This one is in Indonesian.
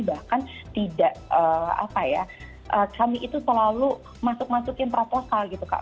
bahkan tidak apa ya kami itu selalu masuk masukin proposal gitu kak